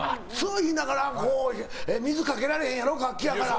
言いながら水かけられへんやろ楽器やから。